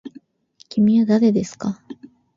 きみはだれですか。